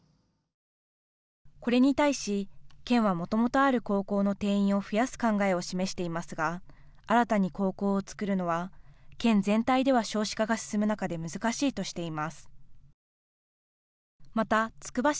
これに対し県はもともとある高校の定員を増やす考えを示していますが新たに高校をつくるのは県全体では少子化が進む中で難しいとしています。